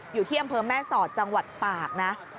อยู่ที่อำเภอแม่สอดจังหวัดตากนะ